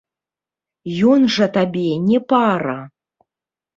Ён жа табе не пара.